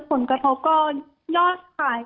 ผลกระทบก็ยอดขาย